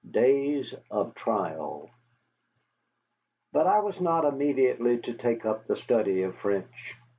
DAYS OF TRIAL But I was not immediately to take up the study of French.